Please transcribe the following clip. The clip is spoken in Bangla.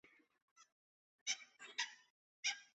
আজ আমার এ দগ্ধ বজ্রাহত হৃদয়ে শান্তি দিবে কে?